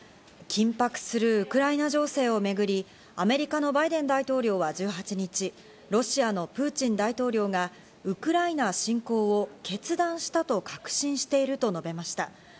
緊迫するウクライナ情勢をめぐり、アメリカのバイデン大統領は１８日、ロシアのプーチン大統領がウクライナ侵攻を決断したと確信していると述べました。